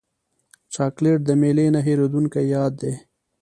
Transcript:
چاکلېټ د میلې نه هېرېدونکی یاد دی.